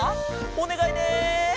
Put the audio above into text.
おねがいね！